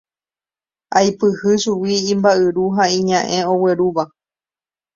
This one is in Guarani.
aipyhy chugui imba'yru ha iña'ẽ oguerúva